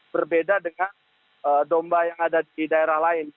berbeda dengan domba yang ada di daerah lain